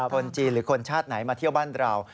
คนจีนหรือคนชาติไหนมาเที่ยวบ้านเรา